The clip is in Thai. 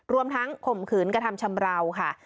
รวมทั้งข่มขืนกระทำชำราวค่ะ